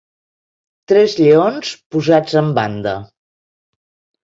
Tres lleons posats en banda.